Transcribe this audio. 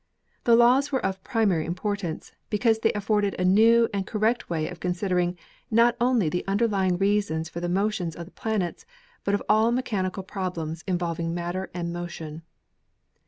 The laws were of primary importance, because they afforded a new and correct way of considering not only the underlying reasons for the motions of the planets but of all mechanical prob lems involving matter and motion.